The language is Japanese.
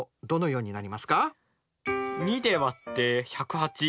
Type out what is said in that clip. ２で割って１０８。